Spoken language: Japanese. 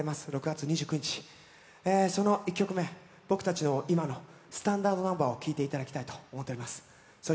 ６月２９日、その１曲目、僕たちの今のスタンダードナンバーを聴いていただきたいと思います。